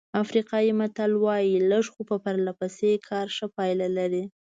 افریقایي متل وایي لږ خو پرله پسې کار ښه پایله لري.